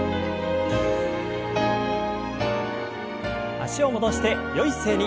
脚を戻してよい姿勢に。